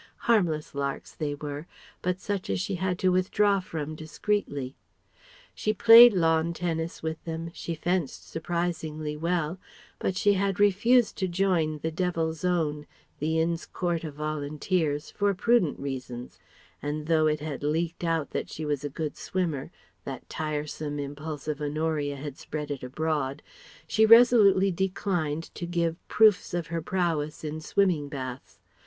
Harmless larks they were; but such as she had to withdraw from discreetly. She played lawn tennis with them, she fenced surprisingly well; but she had refused to join the "Devil's Own" the Inns of Court Volunteers, for prudent reasons; and though it had leaked out that she was a good swimmer that tiresome impulsive Honoria had spread it abroad she resolutely declined to give proofs of her prowess in swimming baths.